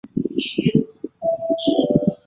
台湾光姬蝽为姬蝽科光姬蝽属下的一个种。